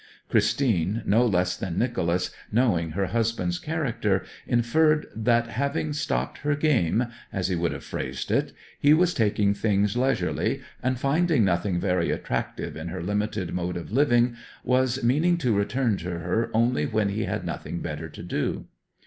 Christine, no less than Nicholas, knowing her husband's character, inferred that, having stopped her game, as he would have phrased it, he was taking things leisurely, and, finding nothing very attractive in her limited mode of living, was meaning to return to her only when he had nothing better to do.